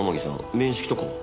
面識とかは？